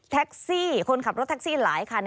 แท็กซี่คนขับรถแท็กซี่หลายค่ะ